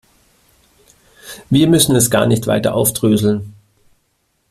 Wir müssen es gar nicht weiter aufdröseln.